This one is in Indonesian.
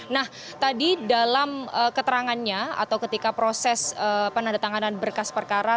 nah tadi dalam keterangannya atau ketika proses penandatanganan berkas perkara